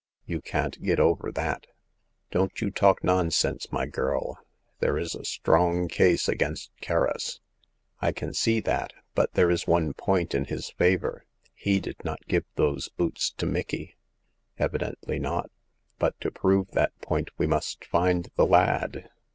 You can't get over that. Don't you talk nonsense, my girl ; there is a strong case against Kerris." I can see that ; but there is one point in his favor. He did not give those boots to Micky." *' Evidently not. But to prove that point we must find the lad."